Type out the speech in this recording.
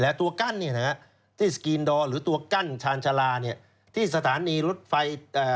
แล้วตัวกั้นที่สกรีนดอท์หรือตัวกั้นชาญชาลาที่สถานีรถไฟ